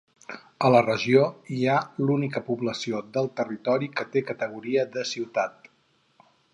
A la regió hi ha l'única població del territori que té categoria de ciutat.